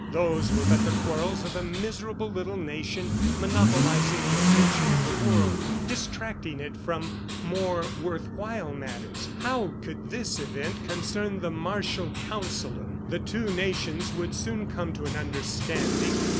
Those were but the quarrels of a miserable little nation monopolizing the attention of the world, distracting it from more worthwhile matters. How could this event concern the martial Counsellor? The two nations would soon come to an understanding.